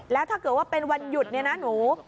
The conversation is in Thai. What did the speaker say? แล้วถ้าเกิดว่าเป็นวันหยุดเนี่ยนะหนู